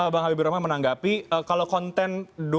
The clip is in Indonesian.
bang habibie ramai menanggapi kalau konten